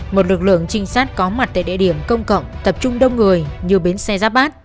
một lực lượng trinh sát có mặt tại địa điểm công cộng tập trung đông người như bến xe giáp bát